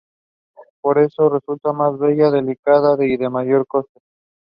The following year he was interned as Enemy alien on the Isle of Man.